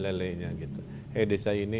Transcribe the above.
lele nya gitu hei desa ini